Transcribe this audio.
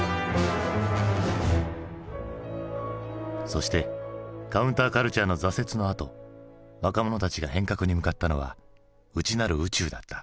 そしてカウンターカルチャーの挫折のあと若者たちが変革に向かったのは内なる宇宙だった。